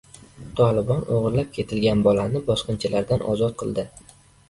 Tolibon o‘g‘irlab ketilgan bolani bosqinchilardan ozod qildi